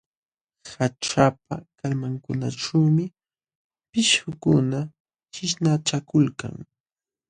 Haćhapa kallmankunaćhuumi pishqukuna qishnachakulkan.